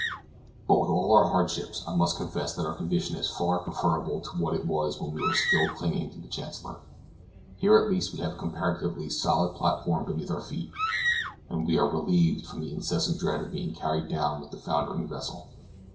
But with all our hardships I must confess that our condition is far preferable to what it was when we were still clinging to the Chancellor. Here at least we have a comparatively solid platform beneath our feet, and we are relieved from the incessant dread of being carried down with a foundering vessel.